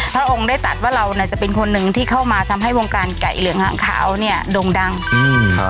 พระองค์ได้ตัดว่าเราเนี่ยจะเป็นคนหนึ่งที่เข้ามาทำให้วงการไก่เหลืองหางขาวเนี้ยดงดังอืมครับ